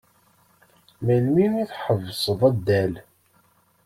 Melmi i tḥebseḍ addal?